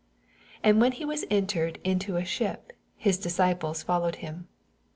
23 And when he was entered into a ship, his disciples followed him.